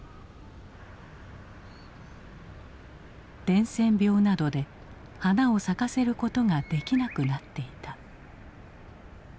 伝染病などで花を咲かせることができなくなっていた。